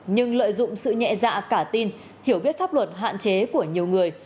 nhưng lợi dụng sự nhẹ dạ cả tin hiểu biết pháp luật hạn chế của nhiều người